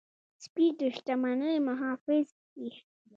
سپي د شتمنۍ محافظ وي.